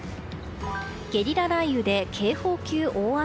ゲリラ雷雨で警報級大雨。